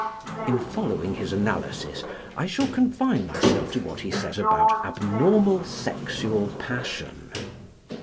In following his analysis, I shall confine myself to what he says about abnormal sexual passion.